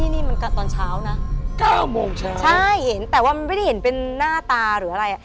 นี่มันตอนเช้านะ๙โมงเช้าใช่เห็นแต่ว่ามันไม่ได้เห็นเป็นหน้าตาหรืออะไรอ่ะ